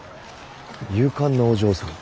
勇敢なお嬢さんだ。